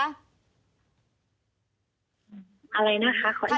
อะไรนะคะขออีกที